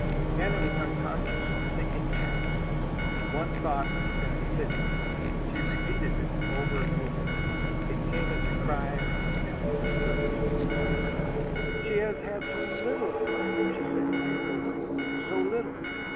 Anna was unconscious and sinking fast. One thought obsessed Sidney. She repeated it over and over. It came as a cry from the depths of the girl's new experience. "She has had so little of life," she said, over and over. "So little!